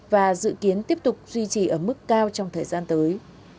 và dự kiến tiếp tục duy trì ở mức cao trong thời gian tới